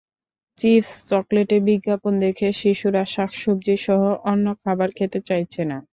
Chips, চকলেটের বিজ্ঞাপন দেখে শিশুরা শাকসবজিসহ অন্য খাবার খেতে চাইছে না।